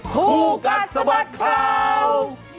ภูกัตรสมัครคราว